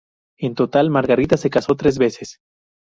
En total, Margarita se casó tres veces.